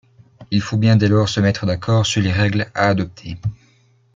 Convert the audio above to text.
Il faut bien dès lors se mettre d'accord sur les règles à adopter.